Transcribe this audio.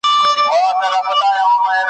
موږ که تور یو که بدرنګه یوکارګان یو `